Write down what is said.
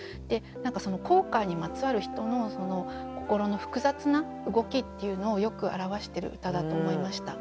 後悔にまつわる人の心の複雑な動きっていうのをよく表してる歌だと思いました。